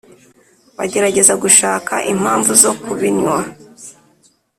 bagerageza gushaka impamvu zo kubinywa.